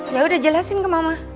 ya udah jelasin ke mama